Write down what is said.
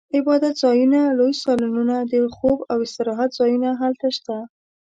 عبادتځایونه، لوی سالونونه، د خوب او استراحت ځایونه هلته شته.